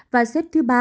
và xếp thứ ba